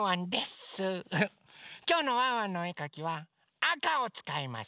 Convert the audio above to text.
きょうのワンワンのおえかきはあかをつかいます。